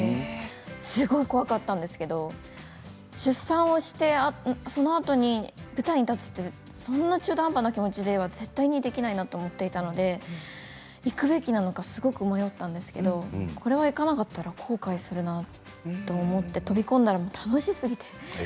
すごい怖かったんですけど出産をして、そのあとに舞台に立つってそんな中途半端な気持ちでは絶対にできないなと思っていたので行くべきなのかすごく迷ったんですけれどこれは行かなかったら後悔するなと思って飛び込んだら、楽しすぎて。